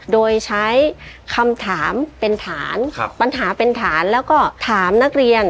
โดยใช้คำถามเป็นฐานปัญหาเป็นฐานแล้วก็ถามนักเรียน